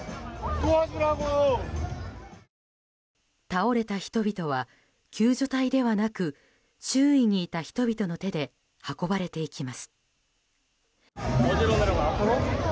倒れた人々は救助隊ではなく周囲にいた人々の手で運ばれていきます。